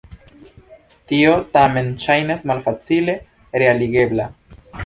Tio tamen ŝajnas malfacile realigebla.